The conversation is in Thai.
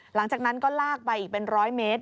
หลังจากนั้นก็ลากไปอีกเป็น๑๐๐เมตร